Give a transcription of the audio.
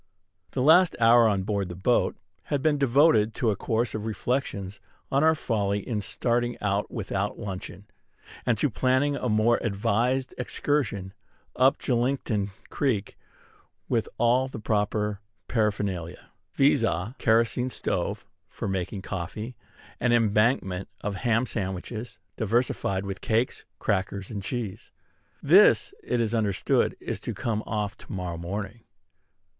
The last hour on board the boat had been devoted to a course of reflections on our folly in starting out without luncheon, and to planning a more advised excursion up Julington Creek with all the proper paraphernalia; viz., a kerosene stove for making coffee, an embankment of ham sandwiches, diversified with cakes, crackers, and cheese. This, it is understood, is to come off to morrow morning.